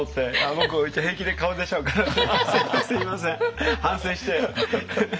僕平気で顔出ちゃうからすみませんすみません反省して。